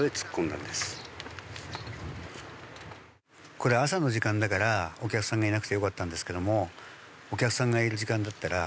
これ朝の時間だからお客さんがいなくてよかったんですけども。